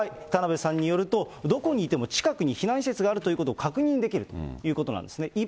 田邉さんによると、どこにいても近くに避難施設があるということを確認できるということなんですね。